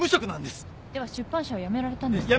では出版社は辞められたんですか？